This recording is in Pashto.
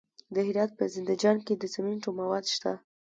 د هرات په زنده جان کې د سمنټو مواد شته.